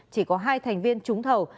chỉ có hai thành viên trúng thầu